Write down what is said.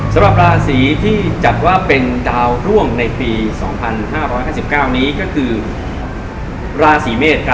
สำหรับราศีที่จัดว่าเป็นดาวร่วงในปี๒๕๕๙นี้ก็คือราศีเมษ